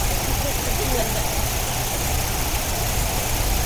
Nový řádek má prázdný text.